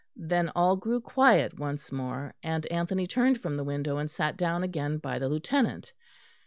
Then all grew quiet once more, and Anthony turned from the window and sat down again by the Lieutenant.